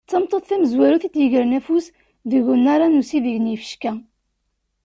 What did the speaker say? D tameṭṭut tamzwarut i d-yegren afus deg unnar-a n usideg n yifecka.